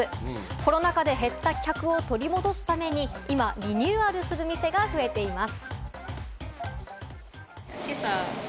コロナ禍で減った客を取り戻すために今リニューアルする店が増えています。